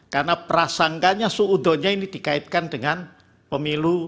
karena prasangganya suudonya ini dikaitkan dengan pemilu dua ribu dua puluh empat